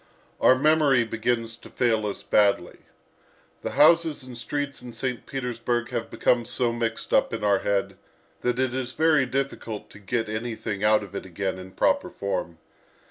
Our memory begins to fail us badly. The houses and streets in St. Petersburg have become so mixed up in our head that it is very difficult to get anything out of it again in proper form.